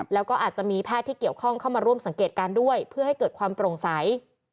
แล้วก็อาจจะมีแพทย์ที่เกี่ยวข้องเข้ามาร่วมสังเกตการณ์ด้วยเพื่อให้เกิดความโปร่งใส